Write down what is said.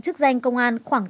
chức danh công an khoảng tám mươi